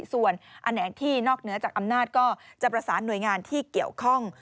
ส่วนแผนกที่นอกเหนือจากอำนาจก็จะประสานหน่วยงานที่เกี่ยวข้อง